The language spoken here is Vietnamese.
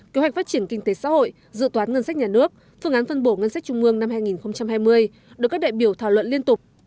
kế hoạch phát triển kinh tế xã hội dự toán ngân sách nhà nước phương án phân bổ ngân sách trung mương năm hai nghìn hai mươi được các đại biểu thảo luận liên tục